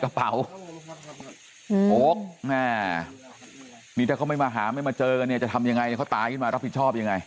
กระเป๋าโอ๊คแม่นี่ถ้าเขาไม่มาหาไม่มาเจอกันเนี่ยจะทำยังไงเขาตายขึ้นมารับผิดชอบยังไง